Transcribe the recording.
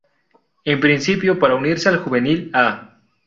En principio para unirse al Juvenil "A".